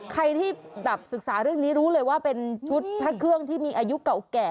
ใครที่แบบศึกษาเรื่องนี้รู้เลยว่าเป็นชุดพระเครื่องที่มีอายุเก่าแก่